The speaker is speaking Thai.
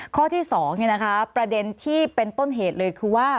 ข้อที่๒ประเด็นที่เป็นต้นเหตุเลยคือว่า